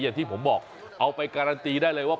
อย่างที่ผมบอกเอาไปการันตีได้เลยว่า